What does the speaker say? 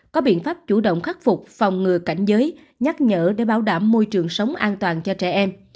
có biện pháp chủ động khắc phục phòng ngừa cảnh giới nhắc nhở để bảo đảm môi trường sống an toàn cho trẻ em